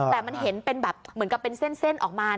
แต่มันเห็นเป็นแบบเหมือนกับเป็นเส้นออกมา